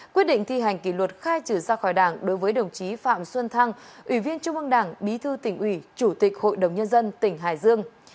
quyết định thi hành kỷ luật khai trừ ra khỏi đảng đối với đồng chí phạm xuân thăng ủy viên trung ương đảng bí thư tỉnh ủy chủ tịch hội đồng nhân dân tỉnh hải dương